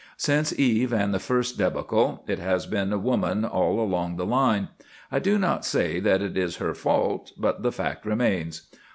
Since Eve and the first debacle, it has been woman all along the line. I do not say that it is her fault, but the fact remains.